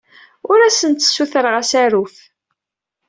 Ur asent-ssutureɣ asaruf.